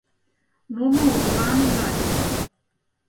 Нуно улан илат.